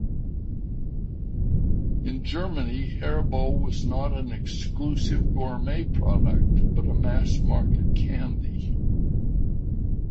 In Germany, Haribo was not an exclusive gourmet product, but a mass market candy.